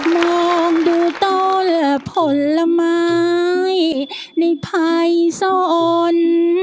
มองดูต้นผลไม้ในภัยโซน